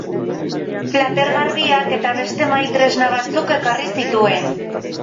Plater garbiak eta beste mahai-tresna batzuk ekarri zituen.